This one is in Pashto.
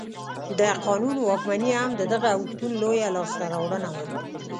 د قانون واکمني هم د دغه اوښتون لویه لاسته راوړنه وه.